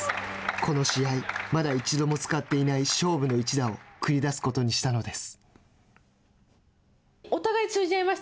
この試合まだ一度も使っていない勝負の一打を繰り出すことにしたのです。